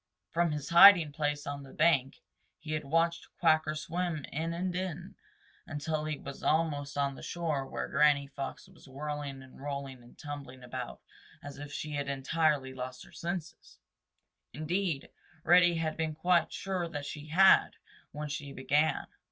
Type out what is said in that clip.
From his hiding place on the bank he had watched Quacker swim in and in until he was almost on the shore where old Granny Fox was whirling and rolling and tumbling about as if she had entirely lost her senses. Indeed, Reddy had been quite sure that she had when she began.